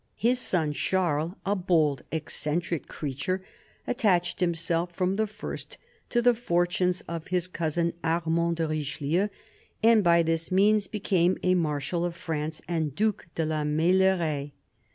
His son, Charles, a bold, eccentric creature, attached himself from the first to the fortunes of his cousin, Armand de Richelieu, and by this means became a Marshal of France and Due de la Meilleraye.